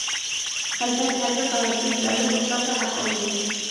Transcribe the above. خەلپەت ھەر بىر تالىپتىن مەلۇم مىقداردا ھەق ئالىدۇ.